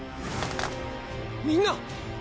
みんな！